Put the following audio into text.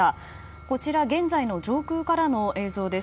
こちら現在の上空からの映像です。